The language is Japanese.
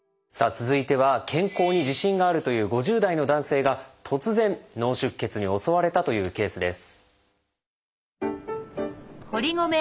続いては健康に自信があるという５０代の男性が突然脳出血に襲われたというケースです。